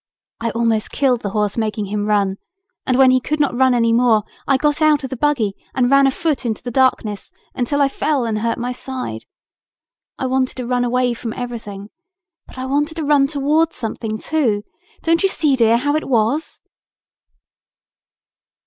I almost killed the horse, making him run, and when he could not run any more I got out of the buggy and ran afoot into the darkness until I fell and hurt my side. I wanted to run away from everything but I wanted to run towards something too. Don't you see, dear, how it was?"